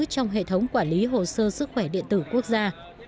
trong hệ thống quản lý hồ sơ sức khỏe điện tử quốc gia